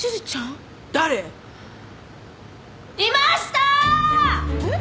いました！えっ？